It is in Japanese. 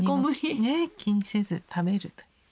ね気にせず食べるという。